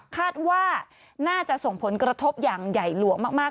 คาดว่าน่าจะส่งผลกระทบอย่างใหญ่หลวงมาก